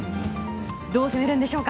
どうされるんでしょうか。